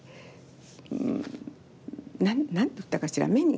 うん何て言ったかしら。